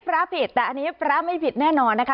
ปราภิตแต่อันนี้ปราภิตไม่ผิดแน่นอนนะคะ